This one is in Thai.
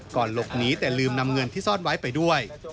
หลบหนีแต่ลืมนำเงินที่ซ่อนไว้ไปด้วย